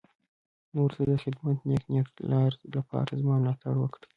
نورو ته د خدمت د نېک نيت لپاره زما ملاتړ وکړي.